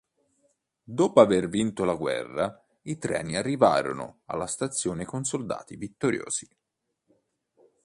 Dopo aver vinto la guerra, i treni arrivarono alla stazione con soldati vittoriosi.